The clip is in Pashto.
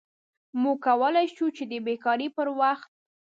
موږ کولی شو چې د بیکارۍ پر وخت